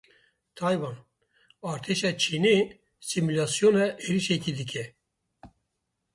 Taywan, Artêşa Çînê simulasyona êrişekê dike.